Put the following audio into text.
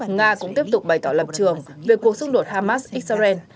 nga cũng tiếp tục bày tỏ lập trường về cuộc xung đột hamas israel